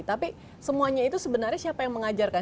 tapi semuanya itu sebenarnya siapa yang mengajarkan